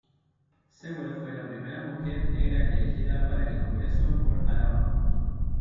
Sewell fue la primera mujer negra elegida para el Congreso por Alabama.